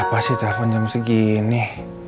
siapa sih telfon jam segini